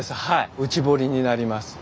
内堀になります。